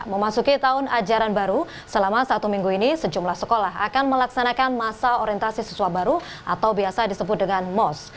memasuki tahun ajaran baru selama satu minggu ini sejumlah sekolah akan melaksanakan masa orientasi siswa baru atau biasa disebut dengan mos